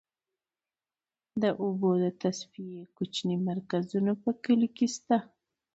د اوبو د تصفیې کوچني مرکزونه په کليو کې شته.